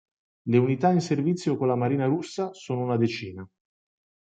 Le unità in servizio con la Marina Russa sono una decina.